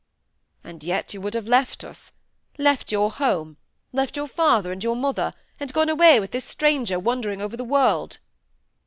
"And yet you would have left us, left your home, left your father and your mother, and gone away with this stranger, wandering over the world."